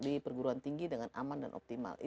jadi itu adalah hal yang paling tinggi dengan aman dan optimal